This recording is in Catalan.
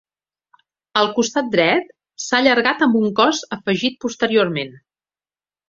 Al costat dret s’ha allargat amb un cos afegit posteriorment.